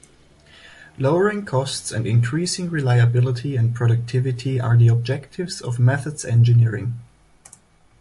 Lowering costs and increasing reliability and productivity are the objectives of methods engineering.